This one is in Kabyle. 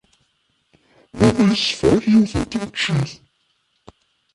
Baba yessefrak yiwet n tneččit.